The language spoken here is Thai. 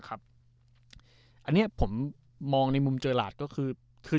อันนี้ผมมองในมุมเจอหลาดก็คือ